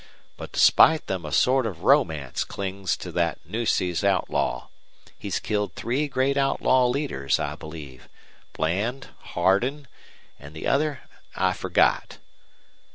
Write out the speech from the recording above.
But despite them a sort of romance clings to that Nueces outlaw. He's killed three great outlaw leaders, I believe Bland, Hardin, and the other I forgot.